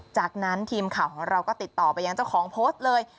จากนั้นทีมข่าวของเราก็ติดต่อไปยังเจ้าของโพสต์เลย